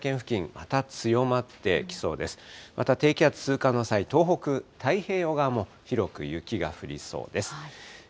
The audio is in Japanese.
また低気圧通過の際、東北、太平洋側も広く雪が降りそうです。